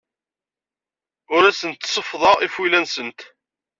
Ur asent-seffḍeɣ ifuyla-nsent.